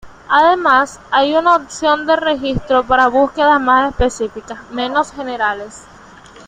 Además, hay una opción de registro para búsquedas más específicas, menos generales.